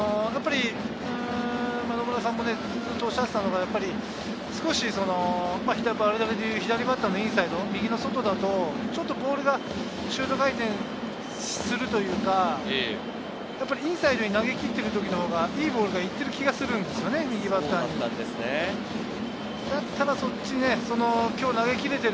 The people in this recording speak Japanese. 野村さんもおっしゃっていたのが、少し左バッターのインサイド、右の外だとちょっとボールがシュート回転するというか、インサイドに投げきっていったほうがいいボールがいってる気がするわけですよね、右バッターに対して。